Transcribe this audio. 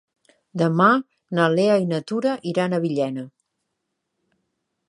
Demà na Lea i na Tura iran a Villena.